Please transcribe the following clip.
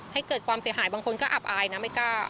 ให้เกิดความเสียหายบางคนก็อับอายนะไม่กล้า